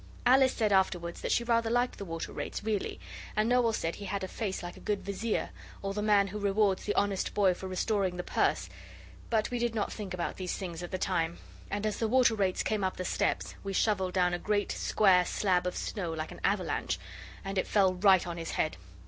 Alice said afterwards that she rather liked the Water Rates, really, and Noel said he had a face like a good vizier, or the man who rewards the honest boy for restoring the purse, but we did not think about these things at the time, and as the Water Rates came up the steps, we shovelled down a great square slab of snow like an avalanche and it fell right on his head.